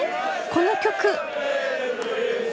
この曲。